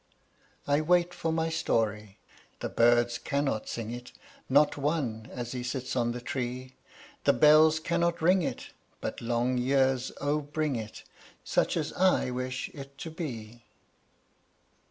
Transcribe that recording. I wait for my story the birds cannot sing it, Not one, as he sits on the tree; The bells cannot ring it, but long years, O bring it! Such as I wish it to be.